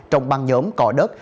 trong băng nhóm cỏ đất